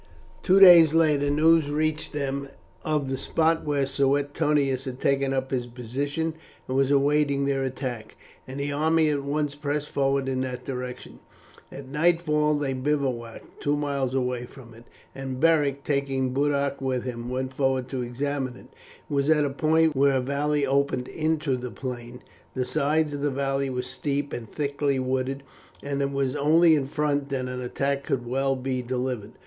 Two days later, news reached them of the spot where Suetonius had taken up his position and was awaiting their attack, and the army at once pressed forward in that direction. At nightfall they bivouacked two miles away from it, and Beric, taking Boduoc with him, went forward to examine it. It was at a point where a valley opened into the plain; the sides of the valley were steep and thickly wooded, and it was only in front that an attack could well be delivered.